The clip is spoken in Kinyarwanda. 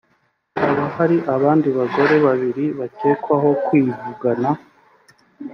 haba hari abandi bagore babiri bakekwaho kwivugana